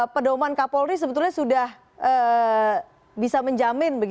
pedoman nk polri sebetulnya sudah bisa menjamin